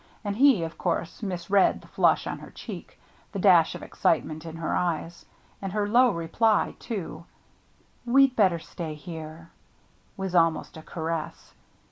And he, of course, misread the flush on her cheek, the dash of excitement in her eyes. And her low reply, too, " We'd better stay here," was almost a caress.